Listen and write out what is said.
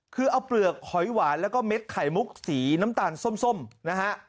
คือเอาเปลือกหอยหวานแล้วก็เม็ดไข่มุกสีน้ำตาลส้มนะฮะ